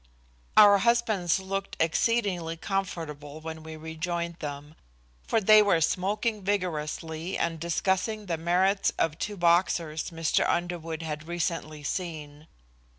Our husbands looked exceedingly comfortable when we rejoined them, for they were smoking vigorously and discussing the merits of two boxers Mr. Underwood had recently seen.